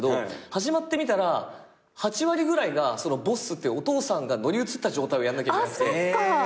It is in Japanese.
始まってみたら８割ぐらいがボッスっていうお父さんが乗り移った状態をやんなきゃいけなくて。